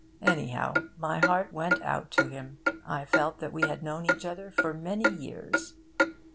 Anyhow, my heart went out to him. I felt that we had known each other for many years.